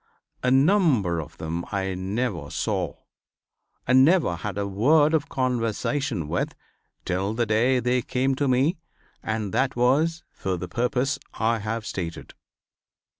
A number of them I never saw, and never had a word of conversation with, till the day they came to me and that was for the purpose I have stated.